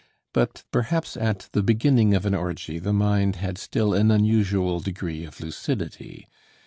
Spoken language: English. But perhaps at the beginning of an orgy the mind had still an unusual degree of lucidity.